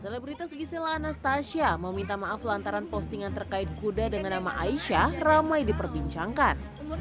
selebritas gisela anastasia meminta maaf lantaran postingan terkait kuda dengan nama aisyah ramai diperbincangkan